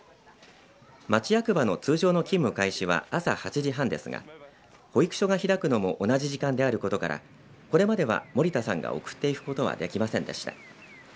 町役場の通常の勤務開始は朝８時半ですが保育所が開くのも同じ時間であることからこれまでは森田さんが送っていくことはできませんでした。